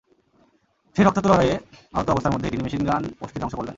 সেই রক্তাক্ত লড়াইয়ে আহত অবস্থার মধ্যেই তিনি মেশিনগান পোস্টটি ধ্বংস করলেন।